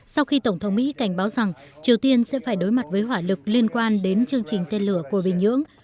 sau khi tổng thống mỹ cảnh báo rằng triều tiên sẽ phải đối mặt với hỏa lực liên quan đến chương trình tên lửa của bình nhưỡng